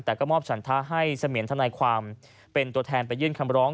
แต่ก็มอบฉันทะให้เสมียนทนายความเป็นตัวแทนไปยื่นคำร้อง